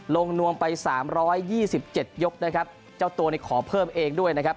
นวมไปสามร้อยยี่สิบเจ็ดยกนะครับเจ้าตัวเนี่ยขอเพิ่มเองด้วยนะครับ